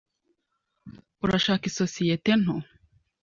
Urashaka isosiyete nto?